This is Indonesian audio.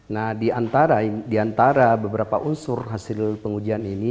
nah di antara beberapa unsur hasil pengujian ini